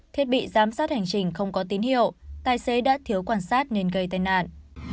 không có tín hiệu tài xế đã thiếu quan sát nên gây tai nạn